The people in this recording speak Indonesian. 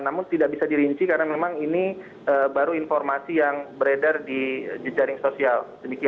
namun tidak bisa dirinci karena memang ini baru informasi yang beredar di jejaring sosial